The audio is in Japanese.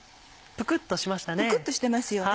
プクっとしてますよね。